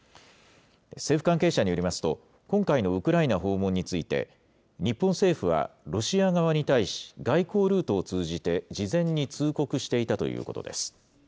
政府関係者によりますと、今回のウクライナ訪問について、日本政府はロシア側に対し、外交ルートを通じて、事前に通告していたということです。